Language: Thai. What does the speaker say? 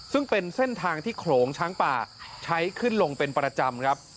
ซึ่งเป็นเส้นทางที่โขลงช้างป่าใช้ขึ้นลงเป็นประจำครับ